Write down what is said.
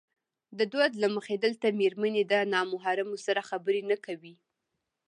د دود له مخې دلته مېرمنې د نامحرمو سره خبرې نه کوي.